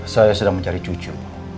saya sedang mencari cucu